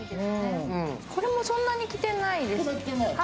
これも、そんなに着てないですね。